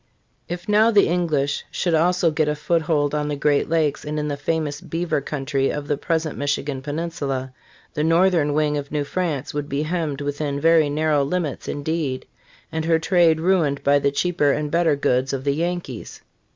If now the English should also get a foot hold on the Great Lakes and in the famous beaver country of the present Michigan peninsula, the northern wing of New France would be hemmed within very narrow limits indeed, and her trade ruined by the cheaper and better goods of the Yankees.